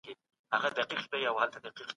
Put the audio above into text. پخوانیو پوهانو مادي کلتور ته ډېر ارزښت ورکړ.